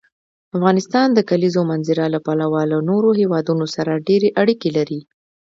افغانستان د کلیزو منظره له پلوه له نورو هېوادونو سره ډېرې اړیکې لري.